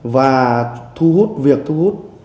và thu hút việc thu hút